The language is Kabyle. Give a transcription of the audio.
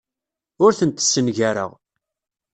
Ur tent-ssengareɣ.